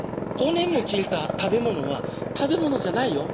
「５年も切れた食べ物は食べ物じゃないよ」